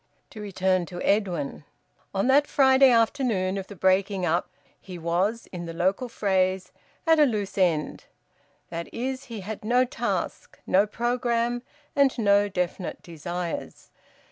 To return to Edwin. On that Friday afternoon of the breaking up he was, in the local phrase, at a loose end. That is, he had no task, no programme, and no definite desires.